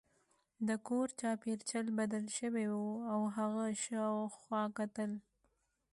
د کور چاپیریال بدل شوی و او هغه شاوخوا کتل